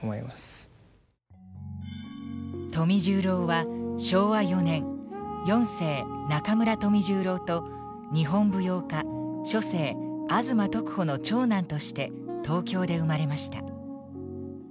富十郎は昭和４年四世中村富十郎と日本舞踊家初世吾妻徳穂の長男として東京で生まれました。